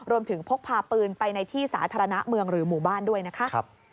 พกพาปืนไปในที่สาธารณะเมืองหรือหมู่บ้านด้วยนะคะ